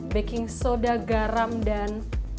baking soda garam dan